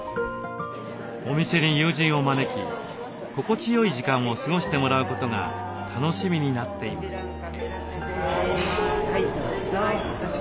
お店に友人を招き心地よい時間を過ごしてもらうことが楽しみになっています。